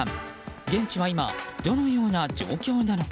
現地は今どのような状況なのか。